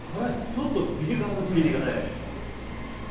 ちょっとピリ辛ですね。